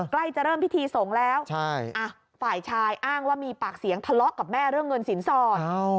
ใกล้จะเริ่มพิธีสงฆ์แล้วฝ่ายชายอ้างว่ามีปากเสียงทะเลาะกับแม่เรื่องเงินสินสอด